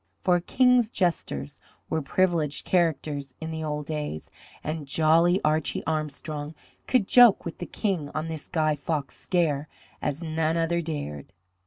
For King's jesters were privileged characters in the old days, and jolly Archie Armstrong could joke with the King on this Guy Fawkes scare as none other dared.